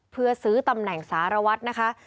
เพื่อซื้อตำแหน่งสารวัตรนะคะ